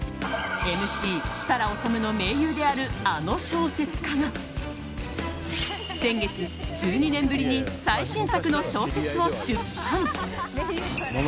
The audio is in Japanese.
ＭＣ設楽統の盟友であるあの小説家が先月、１２年ぶりに最新作の小説を出版。